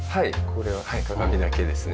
これは鏡だけですね。